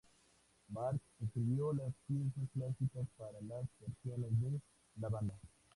Mark: Escribiendo las piezas clásicas para las versiones de la banda.